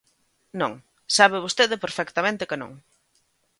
Non, sabe vostede perfectamente que non.